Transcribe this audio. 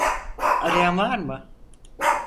Arayan var mı?